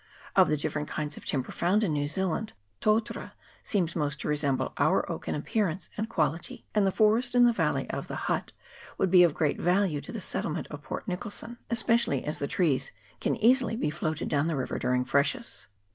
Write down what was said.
Of the different kinds of timber found in New Zealand totara seems most to resemble our oak in appearance and quality, and the forest in the valley of the Hutt will be of great value to the settlement at Port Nicholson, especially as the trees can easily be floated down the river during freshes.